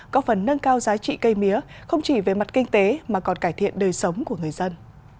có phần nâng cao giá trị cây mía không chỉ về mặt kinh tế mà còn cải thiện đời sống của người dân